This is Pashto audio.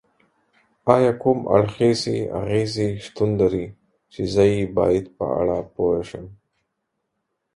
ایا کوم اړخیزې اغیزې شتون لري چې زه یې باید په اړه پوه شم؟